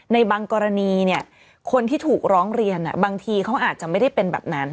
ในบางกรณีคนที่ถูกร้องเรียนบางทีเขาอาจจะไม่ได้เป็นแบบนั้น